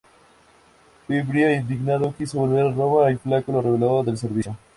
Fimbria indignado, quiso volver a Roma y Flaco lo relevó del servicio.